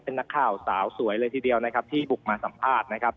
เป็นนักข่าวสาวสวยเลยทีเดียวนะครับที่บุกมาสัมภาษณ์นะครับ